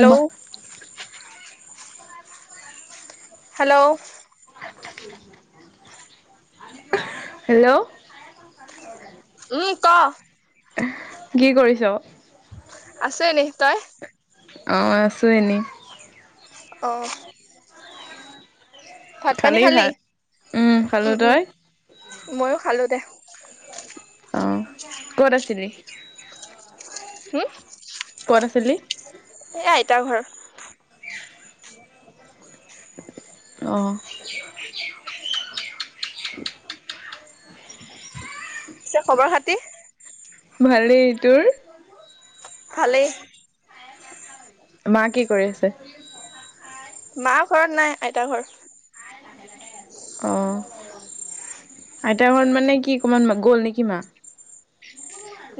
Uma hello hello উম! ক? কি কৰিছ? আছোঁ এনেই তই? অঁ আছোঁ এনেই। অহ খালি ভাত? উম খালোঁ ।তই? মইয়ো খালোঁ দে অঁ, ক'ত আছিলি? হোম ক'ত আছিলি? এ আইতা ঘৰ। অ উ [inaudible] তোৰ খবৰ-খাতি? ভালেই ভালেই মা, কি কৰি আছে? মা ঘৰত নাই আইতা ঘৰ অহ আইতা ঘৰত মানে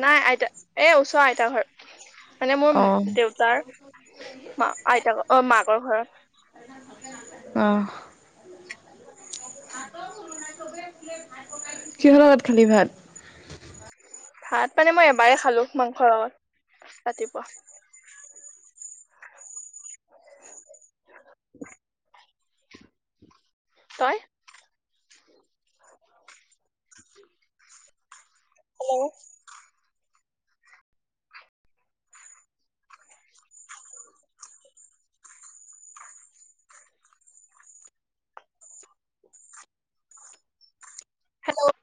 নাই আইতা, এ ওচৰ আইতা ঘৰত। মানে মোৰ অঁ, দেউতাৰ মাকৰ ঘৰত অহ কিহৰ লগত খালি ভাত ভাত মানে এবাৰ এ খালোঁ মাংসৰ লগত ৰাতিপুৱা । [unintelligible] তই হেল্ল' হেল্ল'